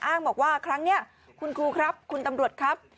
อ้างบอกว่าครั้งนี้คุณครูครับคุณตำรวจครับ